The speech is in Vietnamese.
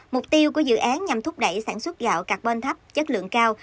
mục tiêu của dự án nhằm thúc đẩy sản xuất gạo carbon thấp chất lượng cao